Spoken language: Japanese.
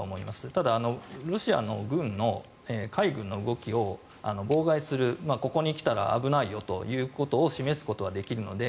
ただ、ロシアの軍の海軍の動きを妨害するここに来たら危ないよということを示すことはできるので